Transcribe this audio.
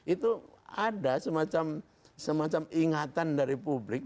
itu ada semacam ingatan dari publik